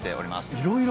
いろいろ